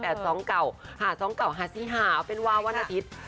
๕๒๙๕๔๕เอาเป็นว่าวันอาทิตย์